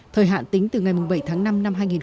thời hạn tính từ ngày bảy tháng năm năm hai nghìn hai mươi